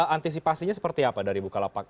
antisipasinya seperti apa dari bukalapak